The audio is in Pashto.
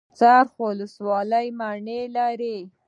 څرخ ولسوالۍ مڼې لري؟